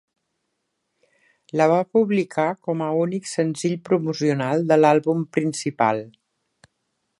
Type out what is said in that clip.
La va publicar com a únic senzill promocional de l'àlbum principal.